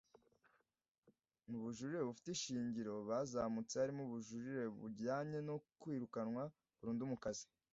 Mu bujurire bufite ishingiro bwazamutse harimo ubujurire bujyanye no kwirukanwa burundu mu kazi